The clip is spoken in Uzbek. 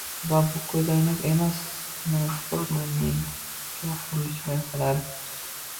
Va bu ko'zoynak emas, na sport, na mega qurilish loyihalari